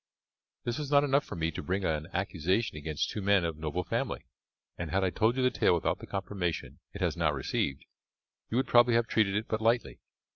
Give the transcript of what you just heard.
This was not enough for me to bring an accusation against two men of noble family; and, had I told you the tale without the confirmation it has now received, you would probably have treated it but lightly.